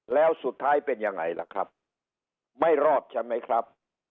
แล้วสุดท้ายเป็นยังไงล่ะครับไม่รอดใช่ไหมครับ